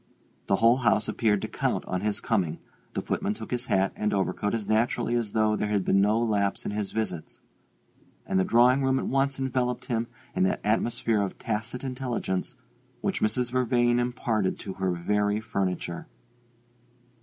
The whole house appeared to count on his coming; the footman took his hat and overcoat as naturally as though there had been no lapse in his visits; and the drawing room at once enveloped him in that atmosphere of tacit intelligence which Mrs. Vervain imparted to her very furniture.